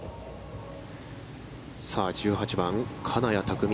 さあ１８番、金谷拓実。